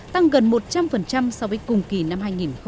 tăng gần một trăm linh so với cùng kỳ năm hai nghìn một mươi tám